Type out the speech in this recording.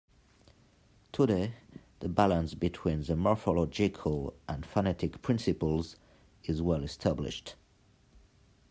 Today, the balance between the morphological and phonetic principles is well established.